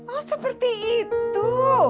oh seperti itu